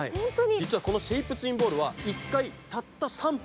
実はこのシェイプツインボールは１回、たった３分。